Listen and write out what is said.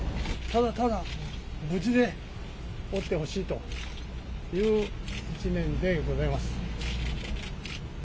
ただただ無事でおってほしいという一念でございます。